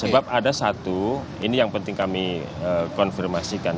sebab ada satu ini yang penting kami konfirmasikan